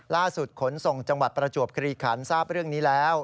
ขนส่งจังหวัดประจวบคลีขันทราบเรื่องนี้แล้ว